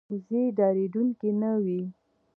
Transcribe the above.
وزې ډارېدونکې نه وي